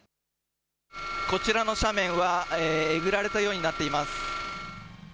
こちらの斜面は、えぐられたようになっています。